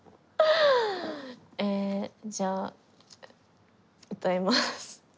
えじゃあ歌います。